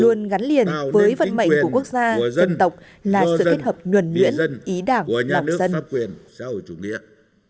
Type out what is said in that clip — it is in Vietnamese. luôn ngắn liền với vận mệnh của quốc gia dân tộc là sự kết hợp nguyện nguyện ý đảng lòng dân